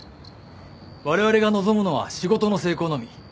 われわれが望むのは仕事の成功のみ。